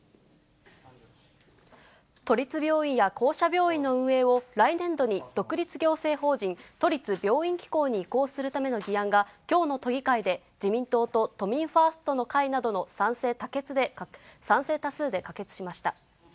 都立病院や公社病院の運営を来年度に独立行政法人都立病院機構に移行するための議案が、きょうの都議会で、自民党と都民ファーストの会などの賛成多数で可決しました。